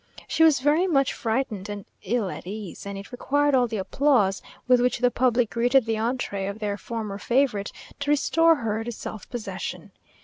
She was very much frightened and ill at ease, and it required all the applause with which the public greeted the entree of their former favourite to restore her to self possession.